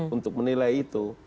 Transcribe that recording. untuk menilai itu